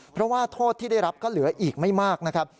เพราะว่าโทษที่ได้รับก็เหลืออีกไม่มากนะครับ